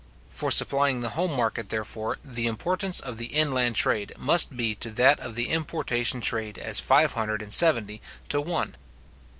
For supplying the home market, therefore, the importance of the inland trade must be to that of the importation trade as five hundred and seventy to one.